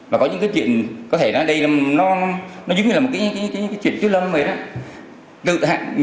và có những cái chuyện có thể nói đây nó giống như là một cái chuyện chứa lâm vậy đó